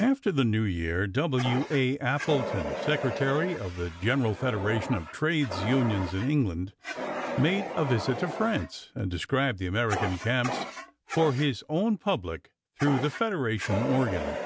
After the new year W. A. Appleton, secretary of the General Federation of Trades Unions in England, made a visit to France, and described the American camps for his own public through the Federation organ.